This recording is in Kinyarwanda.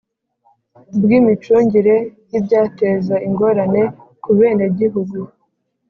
bwimicungire yibyateza ingorane kubenegihugu